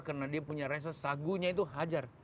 karena dia punya rasa sagunya itu hajar